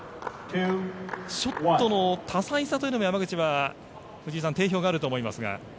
ショットの多彩さというのも山口は藤井さん定評があると思いますが。